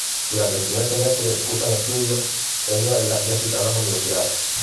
Durante el primer semestre cursan estudios en una de las ya citadas Universidades.